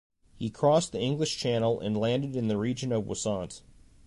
He crossed the English Channel and landed in the region of Wissant.